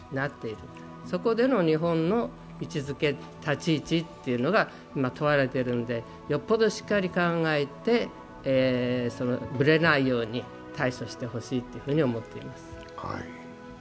そこでの日本の位置づけ、立ち位置というのが今問われているのでよほどしっかり考えて、ブレないように対処してほしいと思っています。